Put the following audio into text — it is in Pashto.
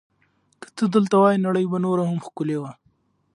که ته دلته وای، نړۍ به نوره هم ښکلې وه.